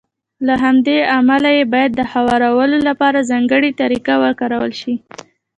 له همدې امله يې بايد د هوارولو لپاره ځانګړې طريقه وکارول شي.